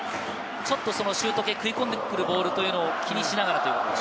シュート系、食い込んでくるボールを気にしながらという。